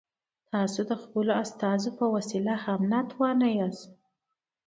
تاسو د خپلو استازو په وسیله هم ناتوان یاست.